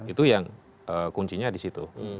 itu yang kuncinya disitu